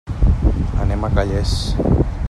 Anem a Calles.